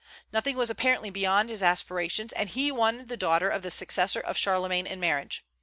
Nothing was apparently beyond his aspirations, and he wanted the daughter of the successor of Charlemagne in marriage.